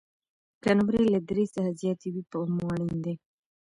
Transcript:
که نمرې له درې څخه زیاتې وي، پام مو اړین دی.